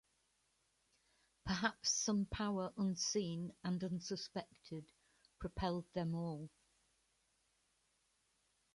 Perhaps some power unseen and unsuspected, propelled them all.